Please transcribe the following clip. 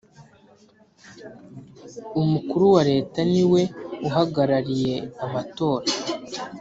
Umukuru wa leta niwe uhagarariye amatora